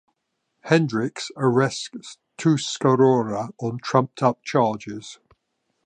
Hendricks arrests Tuscarora on trumped up charges.